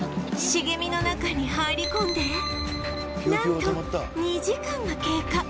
茂みの中に入り込んでなんと２時間が経過